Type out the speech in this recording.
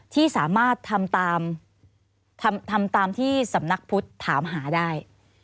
ที่สามารถทำตามที่สำนักพุทธถามหาได้